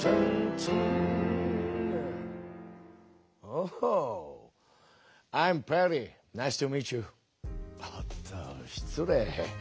おっと失礼。